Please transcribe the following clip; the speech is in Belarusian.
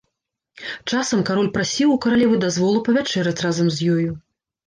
Часам кароль прасіў у каралевы дазволу павячэраць разам з ёю.